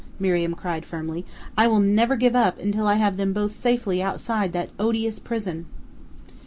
Miriam cried firmly; "I will never give up until I have them both safely outside that odious prison!"